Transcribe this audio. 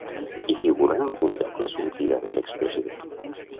Hi figura en algun lloc la sortida de l'ex-president?